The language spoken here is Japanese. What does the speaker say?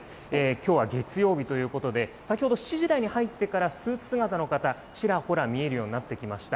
きょうは月曜日ということで、先ほど７時台に入ってからスーツ姿の方、ちらほら見えるようになってきました。